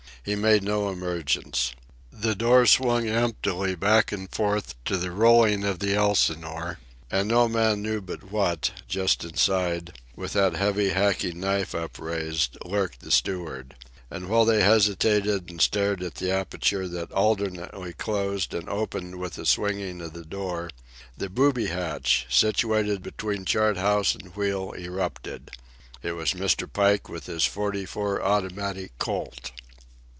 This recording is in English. He made no emergence. The door swung emptily back and forth to the rolling of the Elsinore, and no man knew but what, just inside, with that heavy, hacking knife upraised, lurked the steward. And while they hesitated and stared at the aperture that alternately closed and opened with the swinging of the door, the booby hatch, situated between chart house and wheel, erupted. It was Mr. Pike, with his .44 automatic Colt.